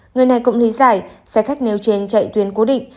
người này cũng lý giải xe khách nêu trên chạy tuyến cố định